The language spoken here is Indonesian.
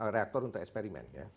reaktor untuk eksperimen ya